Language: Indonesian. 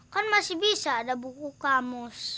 kan masih bisa ada buku kamus